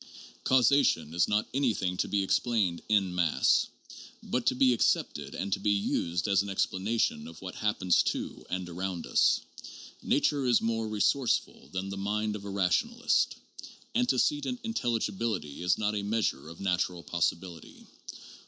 Causation is not anything to be ex plained en masse, but to be accepted and to be used as an explanation of what happens to and around us. Nature is more resourceful than the mind of a rationalist. Antecedent intelligibility is not a measure of natural possibility.